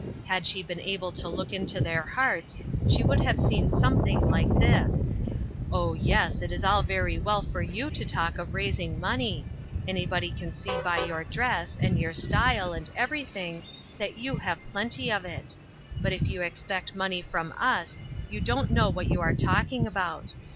Had she been IOO INTERRUPTED. able to look into their hearts, she would have seen something like this : Oh, yes ! it is all very well for you to talk of raising money. Anybody can see by your dress, and your style, and everything, that you have plenty of it; but if you expect money from us, you don't know what you are talk ing about.